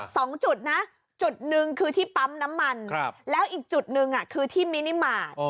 สองจุดนะจุดหนึ่งคือที่ปั๊มน้ำมันครับแล้วอีกจุดหนึ่งอ่ะคือที่มินิมาตร